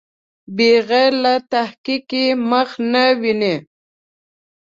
بغیر له تحقیق یې مخه نه ویني.